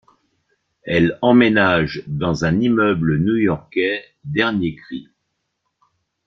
Elle emménage dans un immeuble new-yorkais dernier cri.